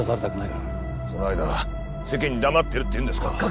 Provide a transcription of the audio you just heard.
その間世間に黙ってるっていうんですか